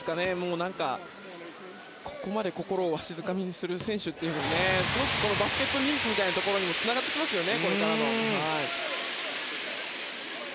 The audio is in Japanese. ここまで心をわしづかみにする選手というのもすごくバスケット人気にもつながってきますよね。